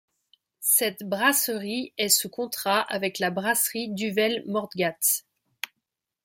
Cette brasserie est sous contrat avec la brasserie Duvel Moortgat.